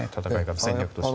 戦略としては。